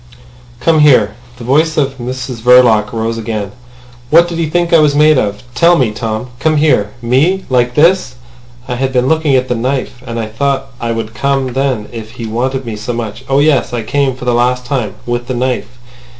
"Come here." The voice of Mrs Verloc rose again. "What did he think I was made of? Tell me, Tom. Come here! Me! Like this! I had been looking at the knife, and I thought I would come then if he wanted me so much. Oh yes! I came—for the last time. ... With the knife."